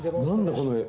この絵」